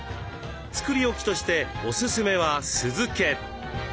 作り置きとしておすすめは酢漬け。